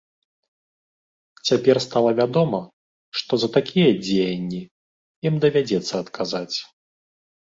Цяпер стала вядома, што за такія дзеянні ім давядзецца адказаць.